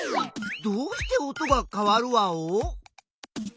どうして音がかわるワオ？